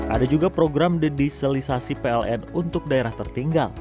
ada juga program dedisialisasi pln untuk daerah tertinggal